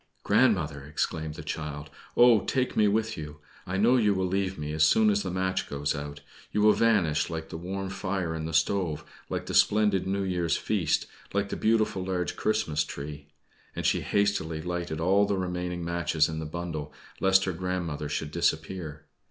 "Grandmother!" exclaimed the child, "Oh, take me with you! I know you will leave me as soon as the match goes out. You will vanish like the warm fire in the stove, like the splendid New Year's feast, like the beautiful large Christmas tree!" And she hastily lighted all the remaining matches in the bundle, lest her grandmother should disappear.